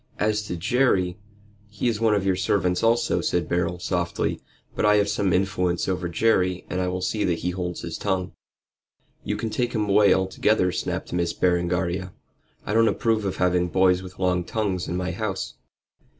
"As to Jerry " "He is one of your servants also," said Beryl, softly; "but I have some influence over Jerry, and I will see that he holds his tongue." "You can take him away altogether," snapped Miss Berengaria. "I don't approve of having boys with long tongues in my house.